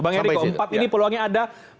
bang eriko empat ini peluangnya ada